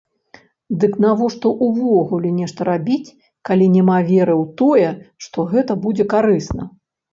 Дык навошта ўвогуле нешта рабіць, калі няма веры ў тое, што гэта будзе карысна?